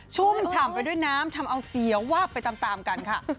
ชุ่มฉ่ำไปด้วยน้ำทำเอาเสียวาบไปตามกันค่ะ